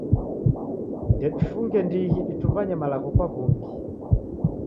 Ndedifunge ndighi ditumbanye malagho kwa w'ungi.